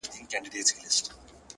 وجود دې ستا وي زه د عقل له ښيښې وځم _